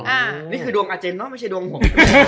อันนี้คือดวงอาเจนเนอะไม่ใช่ดวงผม